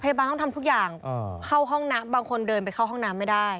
พยาบาลต้องทำทุกอย่างเข้าห้องน้ำบางคนเดินไปเข้าห้องน้ำไม่ได้